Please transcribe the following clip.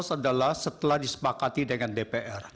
adalah setelah disepakati dengan dpr